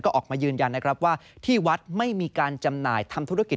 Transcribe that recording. ก็ออกมายืนยันนะครับว่าที่วัดไม่มีการจำหน่ายทำธุรกิจ